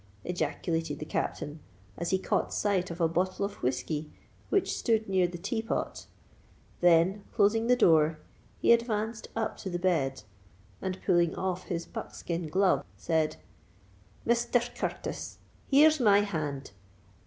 ejaculated the Captain, as he caught sight of a bottle of whiskey which stood near the tea pot: then, closing the door, he advanced up to the bed, and, pulling off his buckskin glove, said, "Misther Curtis, here's my hand.